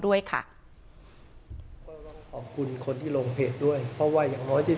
ด้วยค่ะก็ต้องขอบคุณคนที่ลงเพจด้วยเพราะว่าอย่างน้อยที่